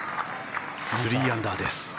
３アンダーです。